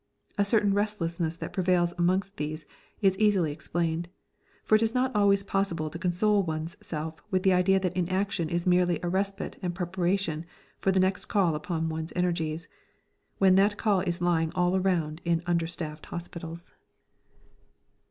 A certain restlessness that prevails amongst these is easily explained, for it is not always possible to console oneself with the idea that inaction is merely a respite and preparation for the next call upon one's energies, when that call is lying all around in understaffed hospitals.